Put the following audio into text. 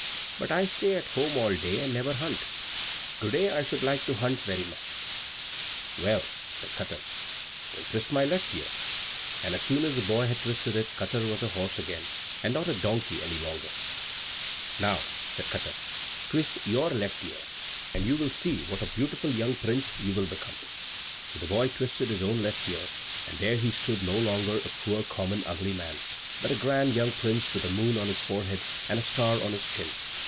But I stay at home all day, and never hunt. To day I should like to hunt very much." "Well," said Katar, "then twist my left ear;" and as soon as the boy had twisted it, Katar was a horse again, and not a donkey any longer. "Now," said Katar, "twist your left ear, and you will see what a beautiful young prince you will become." So the boy twisted his own left ear, and there he stood no longer a poor, common, ugly man, but a grand young prince with a moon on his forehead and a star on his chin.